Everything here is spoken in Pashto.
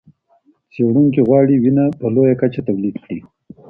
څېړونکي غواړي وینه په لویه کچه تولید کړي.